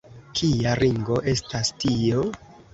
kia ringo estas tio?